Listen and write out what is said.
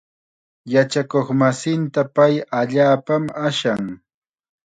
Yachakuqmasinta pay allaapam ashan.